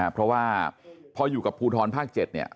เพราะว่าพออยู่กับภูทรภาค๗เนี่ย